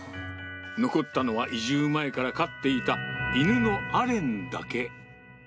残ったのは、移住前から飼っていた犬のアレンだけ。